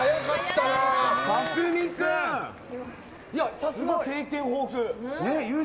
さすが経験豊富。